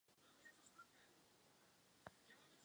Hovořil s prezidentem v Ašchabadu právě na toto téma.